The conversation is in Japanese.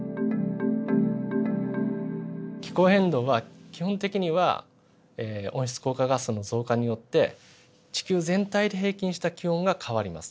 気候変動は基本的には温室効果ガスの増加によって地球全体で平均した気温が変わります。